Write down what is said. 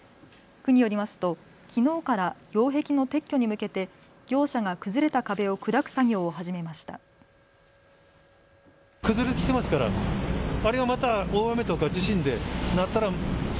区によりますと、きのうから擁壁の撤去に向けて業者が崩れた壁を砕く作業を始めました。